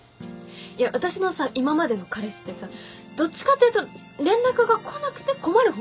いや私のさ今までの彼氏ってさどっちかというと連絡が来なくて困る方だったじゃん。